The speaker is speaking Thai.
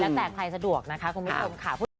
แล้วแต่ใครสะดวกนะคะคุณผู้ชมค่ะ